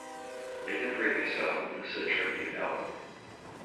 Like the previous album, this is a tribute album.